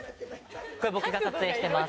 これ僕が撮影してます。